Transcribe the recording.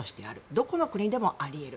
どこの国でもあり得る。